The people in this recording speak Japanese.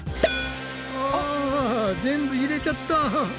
あぁ全部入れちゃった。